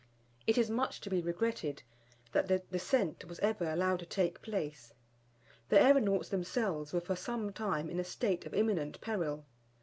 It is much to be regretted that the descent was ever allowed to take place. The aeronauts themselves were for some time in a state of imminent peril.